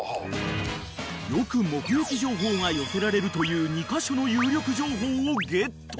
［よく目撃情報が寄せられるという２カ所の有力情報をゲット］